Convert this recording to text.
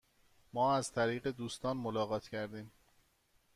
ما از طریق دوستان ملاقات کردیم.